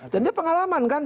jadi pengalaman kan